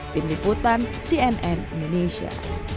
tim liputan cnn indonesia